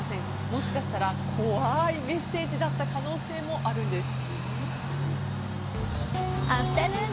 もしかしたら、怖いメッセージだった可能性もあるんです。